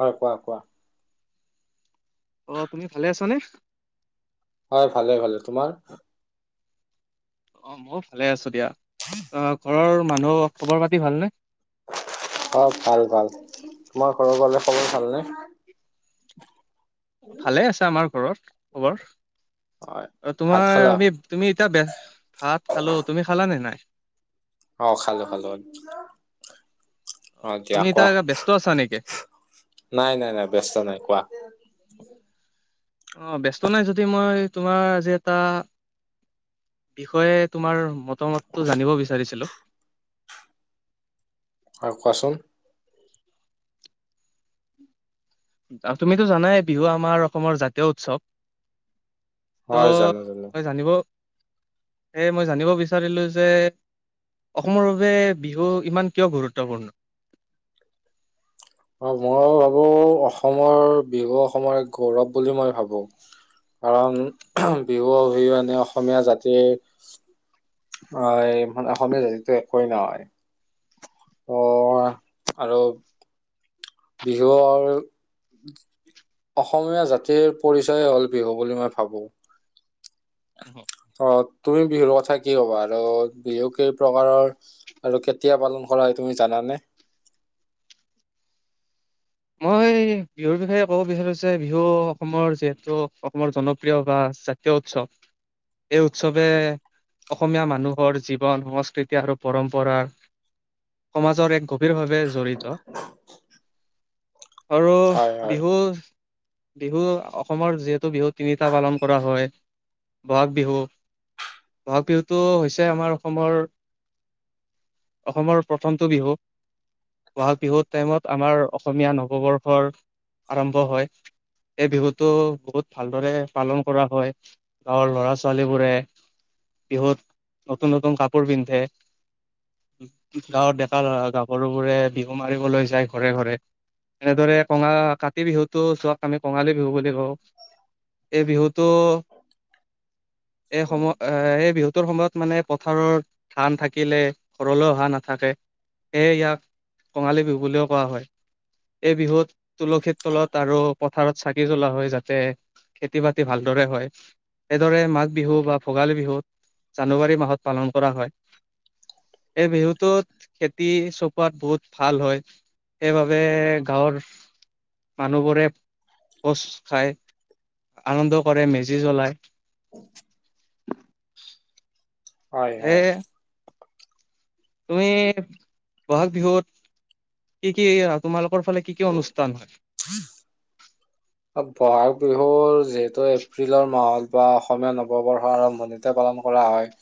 হয় কোৱা কোৱা অ', তুমি ভালে আছানে? হয় ভালে ভালে তোমাৰ? অ', মই ভালে আছো দিয়া। অ', ঘৰৰ মানুহ খবৰ পাতি ভালনে? অ', ভাল ভাল তোমাৰ ঘৰৰ খবৰ ভালনে? ভালে আছে আমাৰ ঘৰত খবৰ। হয় অ ভাত তোমাৰ খালা আমি তুমি এতিয়া ভাত খালো তুমি খালানে নাই? অ খালো খালো। অ দিয়া তুমি খো, এতিয়া ব্যস্ত আছা নেকি? নাই নাই নাই ব্যস্ত নাই কোৱা। [unintelligible] অ ব্যস্ত নাই যদি মই তোমাৰ আজি এটা বিষয়ে তোমাৰ মতামতটো জানিব বিচাৰিছিলোঁ? হয় কোৱাচোন। তুমিতো জানাই বিহু আমাৰ অসমৰ জাতীয় উৎসৱ হয় ত' জানো জানো মই জানিব এই মই জানিব বিচাৰিলোঁ যে অসমৰ বাবে বিহু ইমান কিয় গুৰুত্বপূৰ্ণ? অ মই ভাবো অসমৰ বিহু অসমৰ এক গৌৰৱ বুলি মই ভাবো কাৰণ অ বিহু অবিহনে অসমীয়া জাতিৰ অ অসমীয়া জাতিটো একোৱেই নহয় [unintelligible] আৰু বিহুৰ অসমীয়া জাতিৰ পৰিচয় হ'ল বিহু বুলি মই ভাবো। হ অ তুমি বিহুৰ কথা কি ক'বা আৰু বিহু কেই প্ৰকাৰৰ আৰু কেতিয়া পালন কৰা হয় তুমি জানানে? [inaudible] মই বিহুৰ বিষয়ে ক'ব বিচাৰিছো যে বিহু অসমৰ যিহেতু অসমৰ জনপ্ৰিয় বা জাতীয় উৎসৱ, এই উৎসৱে অসমীয়া মানুহৰ জীৱন, সংস্কৃতি আৰু পৰম্পৰাৰ সমাজৰ এক গভীৰভাৱে জড়িত। আৰু হয় হয় বিহু বিহু অসমৰ যিহেতু বিহু তিনিটা পালন কৰা হয় বহাগ বিহু বহাগ বিহুটো হৈছে আমাৰ অসমৰ অসমৰ প্ৰথমটো বিহু বহাগ বিহুৰ টাইমত আমাৰ অস অসমীয়া নৱবৰ্ষৰ আৰম্ভ হয়। এই বিহুটো বহুত ভালদৰে পালন কৰা হয় গাঁৱৰ লৰা ছোৱালী বোৰে বিহুত নতুন, নতুন কাপোৰ পিন্ধে। গাঁৱত ডেকা লৰা গাভৰুবোৰে বিহু মাৰিবলৈ যায় ঘৰে ঘৰে। এনেদৰে কঙা কাতি বিহুটো চোৱাক আমি কঙালী বিহু বুলি কওঁ। এই বিহুটো এই সময় এ এই বিহু টোৰ সময়ত মানে পথাৰৰ ধান থাকিলে ঘৰলৈ অহা নাথাকে সেয়ে ইয়াক কঙালী বিহু বুলিও কোৱা হয়। এই বিহুত তুলসীৰ তলত আৰু পথাৰত চাকি জ্বলা হয় যাতে খেতি-বাতি ভালদৰে হয়, সেইদৰে মাঘ বিহু বা ভোগালী বিহুত জানুৱাৰী মাহত পালন কৰা হয়। এই বিহুটোত খেতি চপোৱাত বহুত ভাল হয়, সেইবাবে গাঁৱৰ মানুহবোৰে ভোজ খায়, আনন্দ কৰে মেজি জ্বলাই। [inaudible] হয়, এ হয়। তুমি বহাগ বিহুত কি, কি তোমালোকৰ ফালে কি, কি অনুষ্ঠান হয়? [inaudible] ব'হাগ বিহুৰ যিহেতু এপ্ৰিলৰ মাহত বা অসমীয়া নৱবৰ্ষৰ আৰম্ভণিতে পাত কম কৰা হয়।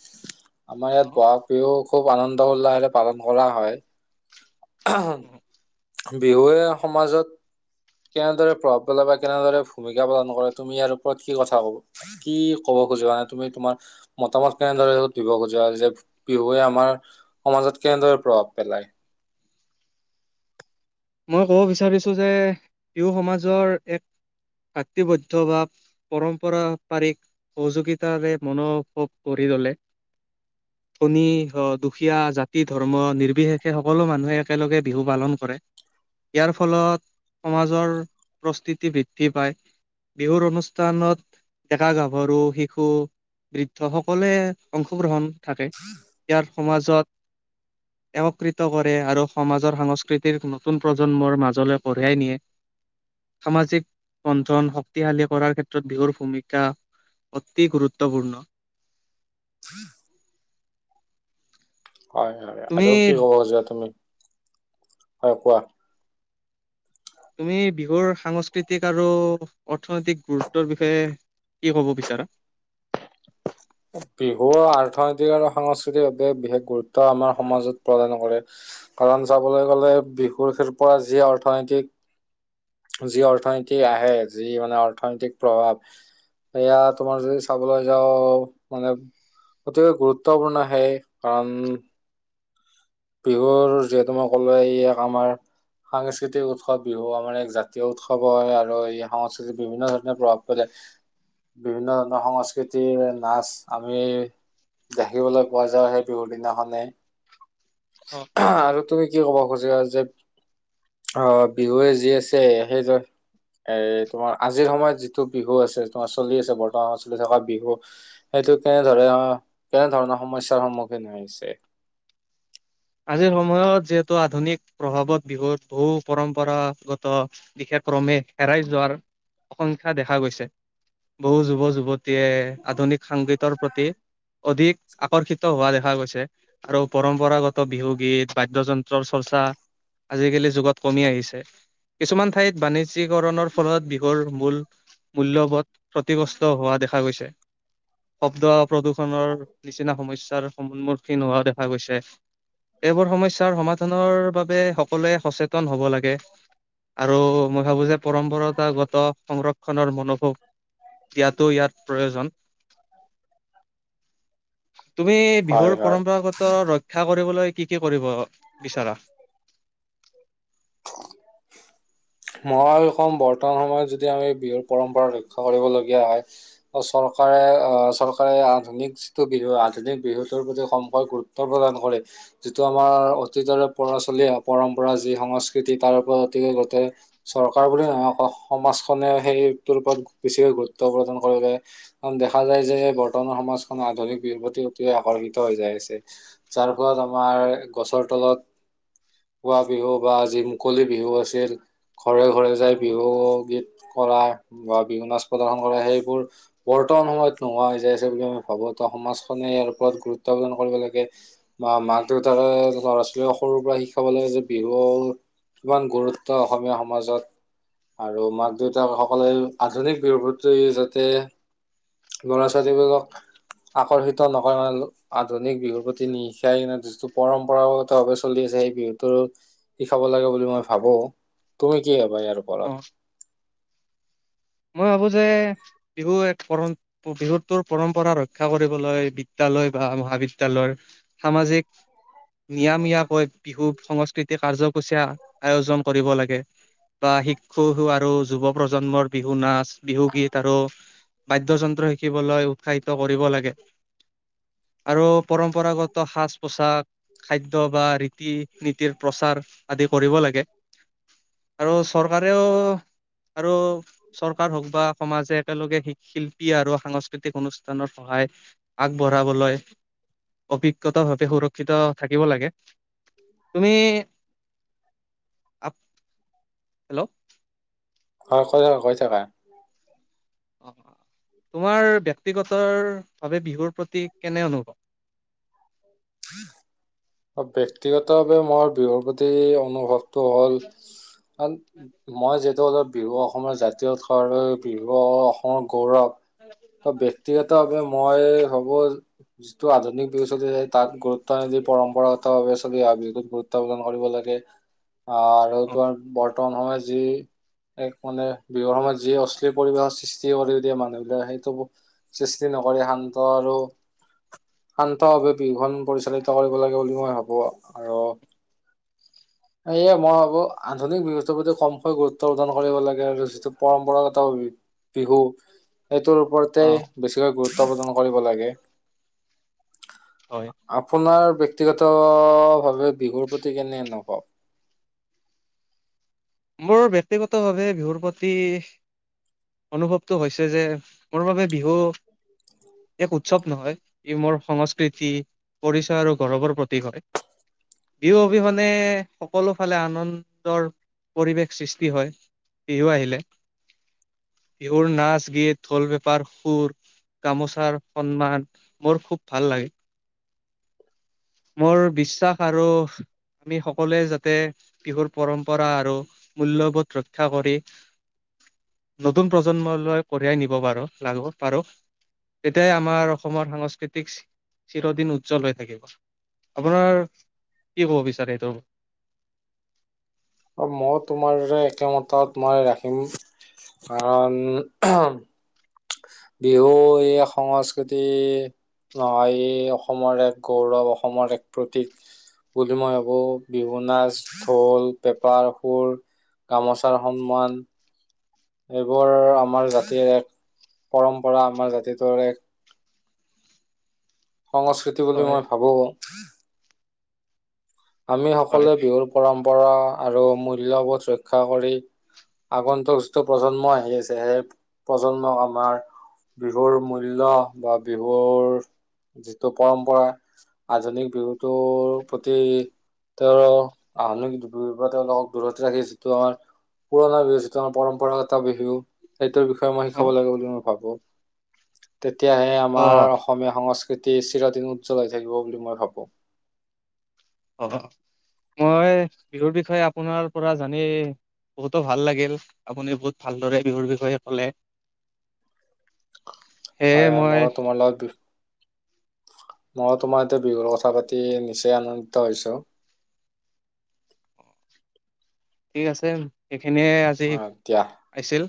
আমাৰ ইয়াত বহাগ বিহু খুব আনন্দ উল্লাসেৰে পালন কৰা হয়। বিহুৱে সমাজত। কেনেদৰে প্ৰভাৱ পেলাই বা কেনেদৰে ভূমিকা পালন কৰে তুমি ইয়াৰ ওপৰত কি কথা কব কি কব? [unintelligible] তুমি তোমাৰ মতামত কেনেদৰে দিব খুজা যে বিহুৱে আমাৰ সমাজত। কেনেদৰে প্ৰভাৱ পেলাই। মই ক'ব বিচাৰিছো যে ইও সমাজৰ এক ভাতৃ বৈধ্য বা পৰম্পৰা পাৰিক সহযোগিতাৰে মনভৱ কৰি ল'লে ধণী অ, দুখীয়া, জাতি, ধৰ্ম নিৰ্বিশেষে সকলো মানুহে একেলগে বিহু পালন কৰে। ইয়াৰ ফলত সমাজৰ প্ৰস্তিতি বৃদ্ধি পায়। বিহুৰ অনুষ্ঠানত ডেকা, গাভৰু, শিশু, বৃদ্ধ সকলোৱে অংশগ্ৰহণ থাকে। ইয়াৰ সমাজত এওঁকৃত কৰে আৰু সমাজৰ সংস্কৃতিৰ নতুন প্ৰজন্মৰ মাজলৈ কঢ়িয়াই নিয়ে। সামাজিক বন্ঠন শক্তিশালী কৰাৰ ক্ষেত্ৰত বিহুৰ ভূমিকা অতি গুৰুত্বপূৰ্ণ। হয়-হয় তুমি আৰু কি ক'ব খুজিবা তুমি হয় কোৱা? তুমি বিহুৰ সাংস্কৃতিক আৰু অৰ্থনৈতিক গুৰুত্বৰ বিষয়ে কি ক'ব বিচাৰা? বিহু অ, আৰ্থনৈতিক আৰু সাংস্কৃতিভাৱে বিশেষ গুৰুত্ব আমাৰ সমাজত প্ৰদান কৰে। কাৰণ চাবলৈ গ'লে বিহুৰ শিল্পৰ যি অৰ্থনৈতিক যি অৰ্থনীতি আহে যি মানে অৰ্থনৈতিক প্ৰভাৱ এয়া তোমাৰ যদি চাবলৈ যাওঁ মানে অতিকৈ গুৰুত্বপূৰ্ণ সেই কাৰণ বিহুৰ যিহেতু মই ক'লোয়ে ই এক আমাৰ সাংস্কৃতিক উৎসৱ বিহু আমাৰ এক জাতীয় উৎসৱো হয় আৰু এই সংস্কৃতিক বিভিন্ন ধৰণে প্ৰভাৱ পেলায়। বিভিন্ন ধৰণৰ সংস্কৃতিৰ নাচ আমি দেখিবলৈ পোৱা যাই সেই বিহুৰ দিনাখনে। অ আৰু তুমি কি ক'ব খুজিৱা যে অ', বিহুৱে যি আছে সেইজন এ তোমাৰ আজিৰ সময়ত যিটো বিহু আছে, তোমাৰ চলি আছে বৰ্তমানত চলি থকা বিহু সেই এইটো কেনেধৰে অ', কেনেধৰণৰ সমস্যাৰ সন্মুখীন হৈছে। [inaudible] আজিৰ সময়ত যিহেতু আধুনিক প্ৰভাৱত বিহুত বহু পৰম্পৰাগত বিশেষ ক্ৰমে হেৰাই যোৱাৰ অসংখ্যা দেখা গৈছে। বহু যুৱ, যুৱতীয়ে আধুনিক সাংগীতৰ প্ৰতি অধিক আকৰ্ষিত হোৱা দেখা গৈছে আৰু পৰম্পৰাগত ত' বিহু গীত বাদ্যযন্ত্ৰৰ চৰ্চা আজিকালি যুগত কমি আহিছে। কিছুমান ঠাইত বানিজ্যিকৰণৰ ফলত বিহুৰ মূল মূল্যবধ ক্ষতিগ্ৰস্ত হোৱা দেখা গৈছে। শব্দ প্ৰদূষণৰ নিচিনা সমস্যাৰ সন্মুখীন হোৱা দেখা গৈছে। এইবোৰ সমস্যাৰ সমাধানৰ বাবে সকলোৱে সচেতন হ'ব লাগে। আৰু মই ভাবো যে পৰম্পৰাতগত সংৰক্ষণৰ ম দিয়াতো ইয়াত প্ৰয়োজন। তুমি হয় বিহুৰ হয় পৰম্পৰাগত ৰক্ষা কৰিবলৈ কি কি কৰিব বিচাৰা? [inaudible] মহসম বৰ্তমান সময়ত যদি আমি বিহুৰ পৰম্পৰা ৰক্ষা কৰিবলগীয়া হয় বা চৰকাৰ অহ, চৰকাৰে আধুনিক যিটো বিহু আধুনিক বিহুটোৰ প্ৰতি সম্ভয় গুৰুত্ব প্ৰদান কৰে। যিটো আমাৰ অতীতৰে পৰা চলি অহা পৰম্পৰা যি সংস্কৃতি তাৰ ওপৰত অতিকে গোটেই চৰকাৰ বুলি নহয় সমাজখনে সেইটোৰ ওপৰত বেছিকে গুৰুত্ব প্ৰদান কৰিলে, কাৰণ দেখা যায় যে বৰ্তমান সমাজখন আধুনিক বিহুৰ প্ৰতি অতি আকৰ্ষিত হৈ যায় আছে, যাৰ ফলত আমাৰ গছৰ তলত গোৱা বিহু বা যি মুকলি বিহু আছিল, ঘৰে ঘৰে যাই বিহু গীত কৰা বা বিহু নাচ প্ৰদৰ্শন কৰা সেইবোৰ বৰ্তমান সময়ত নোহোৱা হৈ যায় আছে বুলি মই ভাবো, ত সমাজখনে ইয়াৰ ওপৰত গুৰুত্ব প্ৰদৰ্শন কৰিব লাগে বা মাক দেউতাকে ল'ৰা-ছোৱালীক সৰুৰ পৰা শিকাব লাগে যে বিহুৰ কিমান গুৰুত্ব অসমীয়া সমাজত। আৰু মাক-দেউতাকসকলে আধুনিক বিহুৰ প্ৰতি যাতে ল'ৰা-ছোৱালীবিলাকক আকৰ্ষিত নকৰে মানে আধুনিক বিহুৰ প্ৰতি নিশিকাই কিনে যিটো পৰম্পৰাগত ভাৱে চলি আছে সেই বিহুটোৰ ও চাব লাগে বুলি মই ভাবো, তুমি কি ভাবা ইয়াৰ অ ওপৰত? মই ভাবো যে বিহু এক পৰম বিহুটোৰ পৰম্পৰা ৰক্ষা কৰিবলৈ বিদ্যালয় বা অ মহাবিদ্যালয়ৰ সামাজিক নিয়ামিয়াকৈ বিহু সংস্কৃতি কাৰ্যসূচীয়া আয়োজন কৰিব লাগে। বা শিক্ষুুৰ আৰু যুৱ প্ৰজন্মৰ বিহু নাচ বিহু গীত আৰু বাদ্যযন্ত্ৰ শিকিবলৈ উৎসাহিত কৰিব লাগে। আৰু পৰম্পৰাগত সাজপোছাক খাদ্য বা ৰীতি-নীতিৰ প্ৰচাৰ আদি কৰিব লাগে। আৰু চৰকাৰেও আৰু চৰকাৰ হওক বা সমাজে একেলগে শি শিল্পী আৰু সাংস্কৃতিক অনুষ্ঠানৰ সহায় আগবঢ়াবলৈ অভিজ্ঞতাৰ সতে সুৰক্ষিত থাকিব লাগে। তুমি আপ হেল্ল' হয় কৈ থাকা কৈ থাকা। অ, তোমাৰ ব্যক্তিগতৰ ভাৱে বিহুৰ প্ৰতি কেনে অনুভৱ? [inaudible] ব্যক্তিগতভাৱে মোৰ বিহুৰ প্ৰতি অনুভৱ টো হ'ল কাৰণ মই যিহেতু অলপ বিহু অসমৰ জাতীয় উৎসৱ বিহু অসমৰ গৌৰৱ। ত ব্যক্তিগত ভাৱে মই হ'ব যিটো আধুনিক বিহু চলি আছে তাত গুৰুত্ব নিদি পম্পৰাগত ভাৱে চলি অহা বিহুটোক গুৰুত্ব পাব। কৰিব লাগে, আহ আৰু অ তোমাৰ বৰ্তমান সময়ত যি এক মানে বিহুৰ সময়ত যি অশ্লীল পৰিৱেশৰ সৃষ্টি সৃষ্টি কৰি দিয়ে মানুহবিলাকে, সেইটো সৃষ্টি নকৰি শান্ত আৰু শান্তভাৱে বিহুখন পৰিচালিত কৰিব লাগে বুলি মই ভাবো, আৰু এইয়ে মই ভাবো আধুনিক বিহুটোৰ প্ৰতি কমকৈ গুৰুত্ব প্ৰদান কৰিব লাগে আৰু যিটো পৰম্পৰাগত বিহু বিহু এইটোৰ ওপৰতে অ বেছিকৈ গুৰুত্ব প্ৰদান কৰিব লাগে। হয় আপোনাৰ ব্যক্তিগত ভাৱে বিহুৰ প্ৰতি কেনে অনুভৱ? মোৰ বক্তিগতভাৱে বিহুৰ প্ৰতি অনুভৱটো হৈছে যে, মোৰ বাবে বিহু এক উৎসৱ নহয়, ই মোৰ সংস্কৃতি, পৰিচয় আৰু গৌৰৱৰ প্ৰতীক হয়। বিহু অবিহনে, সকলো ফালে আনন্দৰ পৰিৱেশ সৃষ্টি হয়, বিহু আহিলে। বিহুৰ নাচ-গীত, ঢোল-পেঁপাৰ সুৰ গামোচাৰ সন্মান, মোৰ খুব ভাল লাগে। মোৰ বিশ্বাস আৰু আমি সকলোৱে যাতে বিহুৰ পৰম্পৰা আৰু মূল্যবোধ ৰক্ষা কৰি নতুন প্ৰজন্মলৈ কঢ়িয়াই নিব পাৰো, লাগিব পাৰো। তেতিয়াই আমাৰ অসমৰ সাংস্কৃতিক চিৰদিন উজ্জ্বল হৈ থাকিব। আপোনাৰ কি ক'ব বিচাৰে এইটোৰ? অ', মই তোমাৰ একেমতত মই ৰাখিম। কাৰণ বিহু এই সংস্কৃতি নহয়, ই অসমৰ এক গৌৰৱ, অসমৰ এক প্ৰতীক। বুলি মই ভাবো বিহু নাচ, ঢোল, পেপাৰ সুৰ। গামোচাৰ সন্মান। এইবোৰ আমাৰ জাতিৰ এক পৰম্পৰা, আমাৰ জাতিটোৰ এক সংস্কৃতি বুলি হয় মই ভাবোঁ। আমি হয় সকলোৱে বিহুৰ পৰম্পৰা আৰু মূল্যবোধ ৰক্ষা কৰি আগন্তুক যিটো প্ৰজন্ম আহি আছে, সেই প্ৰজন্মক আমাৰ বিহুৰ মূল্য বা বিহুৰ যিটো পৰম্পৰা আধুনিক বিহুতোৰ প্ৰতি তেওঁৰো আধুনিক [unintelligible] দূৰত ৰাখি যিটো আমাৰ পুৰণা বিহু যিটো আমাৰ পৰম্পৰাগত বিহু, সেইটোৰ বিষয়ে মই শিকাব লাগে বুলি মই ভাবোঁ। তেতিয়াহে অ আমাৰ অসমীয়া সংস্ক কৃতি চিৰোদিন উজ্জ্বল হৈ থাকিব বুলি মই ভাবোঁ। অ', মই বিহুৰ বিষয়ে আপোনাৰ পৰা জানি বহুতো ভাল লাগিল, আপুনি বহুত ভালদৰে বিহুৰ বিষয়ে ক'লে। সেয়ে হয়, হয়, মই ম‌ইও তোমাৰ লগত বিহ মই তোমাৰ এতে বিহুৰ কথা পাতি নিচেই আনন্দিত হৈছো। [inaudible] ঠিক আছে সেইখিনিয়ে আজি হয় দিয়া আইছিল।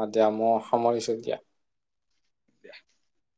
অ', দিয়া মইও সামৰিছোঁ দিয়া। [inaudible]